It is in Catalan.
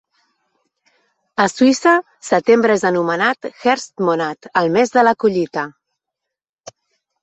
A Suïssa, setembre és anomenat "Herbstmonat", el mes de la collita.